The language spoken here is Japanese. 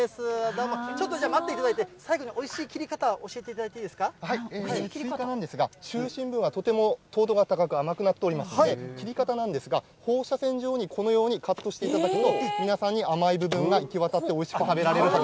どうも、ちょっとじゃあ待っていただいて、最後においしい切り方、教えていスイカなんですが、中心部はとても糖度が高く、甘くなっておりますので、切り方なんですが、放射線状に、このようにカットしていただくと、皆さんに甘い部分が行き渡って、おいしく食べられると。